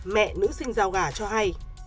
mẹ nữ sinh giao gà cho hay